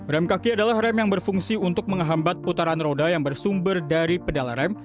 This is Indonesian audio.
rem kaki adalah rem yang berfungsi untuk menghambat putaran roda yang bersumber dari pedal rem